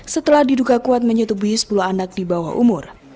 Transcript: setelah diduga kuat menyetubi sepuluh anak di bawah umur